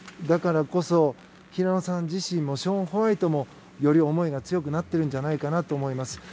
だからこそ、平野さん自身もショーン・ホワイトもより思いが強くなってるんじゃないかと思います。